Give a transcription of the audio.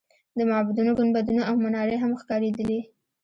د معبدونو ګنبدونه او منارې هم ښکارېدلې.